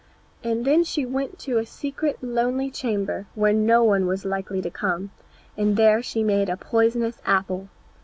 And then she went to a secret lonely chamber, where no one was likely to come, and there she made a poisonous apple.